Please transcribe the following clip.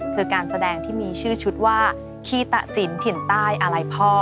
คือการแสดงที่มีชื่อชุดว่าขี้ตะสินถิ่นใต้อาลัยพ่อ